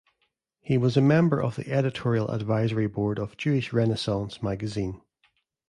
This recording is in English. He was a member of the editorial advisory board of "Jewish Renaissance" magazine.